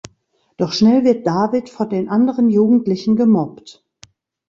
Doch schnell wird David von den anderen Jugendlichen gemobbt.